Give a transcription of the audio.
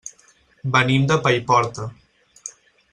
Venim de Paiporta.